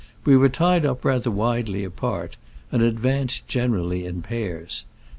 We were tied up rather widely apart, and advanced gen erally in pairs.